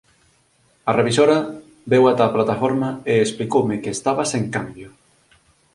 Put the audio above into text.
A revisora veu ata a plataforma e explicoume que estaba sen cambio.